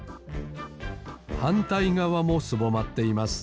はんたいがわもすぼまっています。